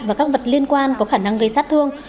và các vật liên quan có khả năng gây sát thương